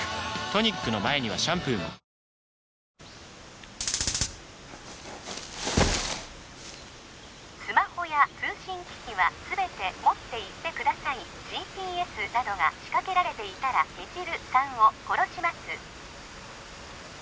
トニックの前にはシャンプーもスマホや通信機器は全て持っていってくださいＧＰＳなどが仕掛けられていたら未知留さんを殺します